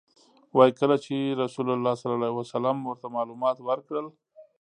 وایي کله چې رسول الله صلی الله علیه وسلم ورته معلومات ورکړل.